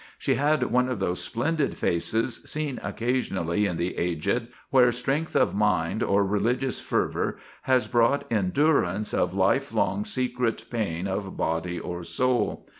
She had one of those splendid faces seen occasionally in the aged, where strength of mind or religious fervour has brought endurance of lifelong secret pain of body or soul.